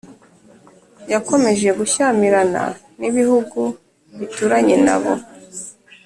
Yakomeje gushyamirana n ibihugu bituranye na bo